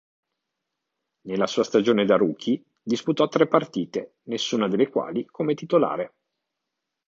Nella sua stagione da rookie disputò tre partite, nessuna delle quali come titolare.